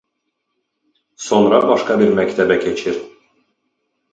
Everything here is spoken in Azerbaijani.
Sonra başqa bir məktəbə keçir.